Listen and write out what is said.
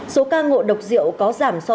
số ca ngộ độc diệu có giảm so với ngày thường